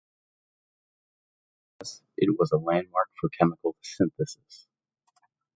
Nevertheless, it was a landmark for chemical synthesis.